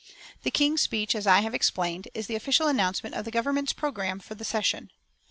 The King's speech, as I have explained, is the official announcement of the Government's programme for the session.